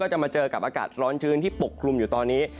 จะมาเจอกับอากาศร้อนชื้นที่ปกคลุมอยู่ตอนนี้